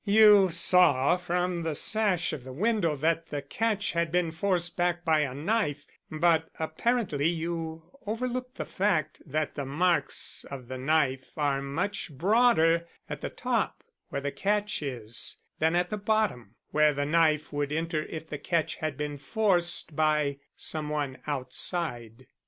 "You saw from the sash of the window that the catch had been forced back by a knife, but apparently you overlooked the fact that the marks of the knife are much broader at the top, where the catch is, than at the bottom, where the knife would enter if the catch had been forced by some one outside.